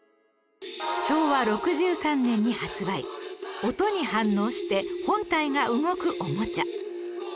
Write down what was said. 昭和６３年に発売音に反応して本体が動くおもちゃ